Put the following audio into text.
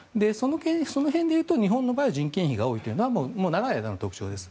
その辺でいうと日本の場合は人件費が多いというのは長い間の特徴です。